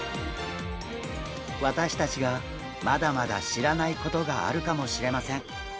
私たちがまだまだ知らないことがあるかもしれません。